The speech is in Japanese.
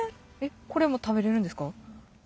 これも食べれるんですか？